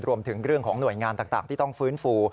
รวมถึงเรื่องของหน่วยงานต่างที่ต้องฟื้นฟู